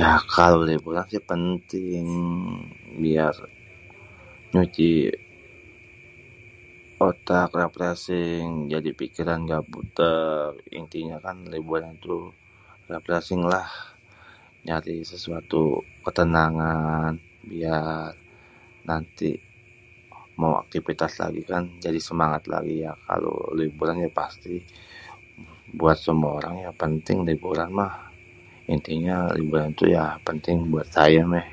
ya kalo liburan si penting ya nyuci otak refresing pikiran ga buték intinyé kan liburan tuh refreasing lah nyari sesuatu ketenagna ya nanti mo aktifitas lagi kan jadi semangat lagi kan ya kalo liburan ya pasti buat semua orang ya penting liburan mah intinya liburan ya penting buat saya méh